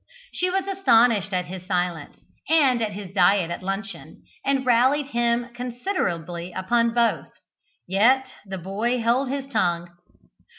She was astonished at his silence and at his diet at luncheon, and rallied him considerably upon both. Yet the boy held his tongue.